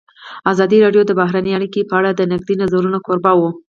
ازادي راډیو د بهرنۍ اړیکې په اړه د نقدي نظرونو کوربه وه.